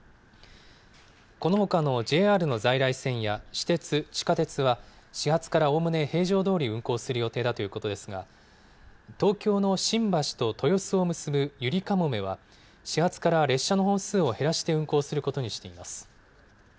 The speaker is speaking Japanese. このほかのＪＲの在来線や私鉄、地下鉄は、始発からおおむね平常どおり運行する予定だということですが、東京の新橋と豊洲を結ぶゆりかもめは始発から列車の本数を減らして運行することにしています。